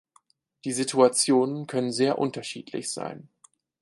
Die Situationen können sehr unterschiedlich sein.